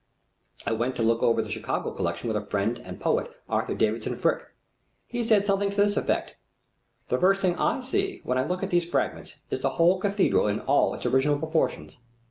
I went to look over the Chicago collection with a friend and poet Arthur Davison Ficke. He said something to this effect: "The first thing I see when I look at these fragments is the whole cathedral in all its original proportions.